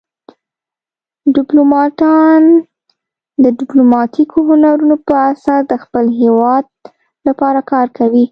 ډیپلوماتان د ډیپلوماتیکو هنرونو په اساس د خپل هیواد لپاره کار کوي